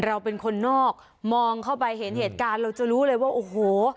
เราเป็นคนนอกมองเข้าไปเห็นเหตุการณ์เราจะรู้เลยว่าโอ้โห